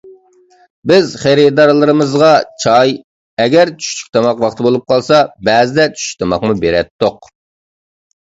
بىز خېرىدارلىرىمىزغا چاي، ئەگەر چۈشلۈك تاماق ۋاقتى بولۇپ قالسا، بەزىدە چۈشلۈك تاماقمۇ بېرەتتۇق.